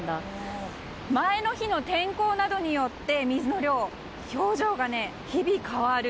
前の日の天候などによって水の量表情が日々変わる。